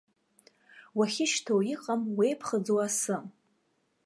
Уахьышьҭоу иҟам уеиԥхыӡуа асы.